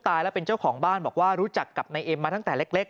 แล้วเป็นเจ้าของบ้านบอกว่ารู้จักกับนายเอ็มมาตั้งแต่เล็ก